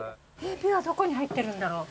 びわどこに入ってるんだろう？